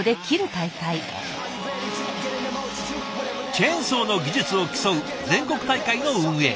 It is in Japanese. チェーンソーの技術を競う全国大会の運営。